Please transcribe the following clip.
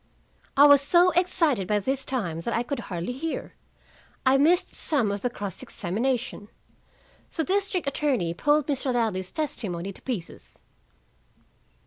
I was so excited by this time that I could hardly hear. I missed some of the cross examination. The district attorney pulled Mr. Ladley's testimony to pieces.